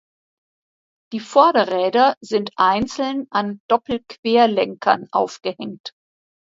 Die Vorderräder sind einzeln an Doppelquerlenkern aufgehängt.